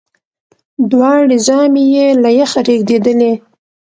دواړي زامي یې له یخه رېږدېدلې